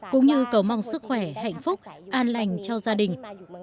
cũng như cầu mong sức khỏe hạnh phúc an lành cho gia đình